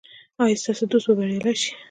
ایا ستاسو دوست به بریالی شي؟